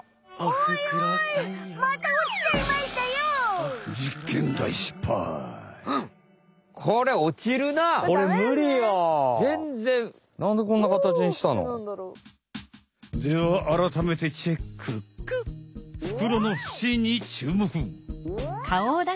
ふくろのふちにちゅうもく！